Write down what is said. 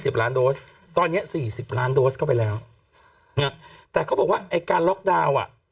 ล้านโดสตอนเนี้ยสี่สิบล้านโดสเข้าไปแล้วนะฮะแต่เขาบอกว่าไอ้การล็อกดาวน์อ่ะ